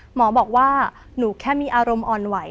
หมอบอกว่าหนูแค่มีอารมณ์อ่อนไหว